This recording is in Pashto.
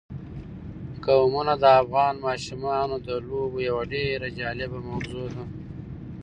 قومونه د افغان ماشومانو د لوبو یوه ډېره جالبه موضوع ده.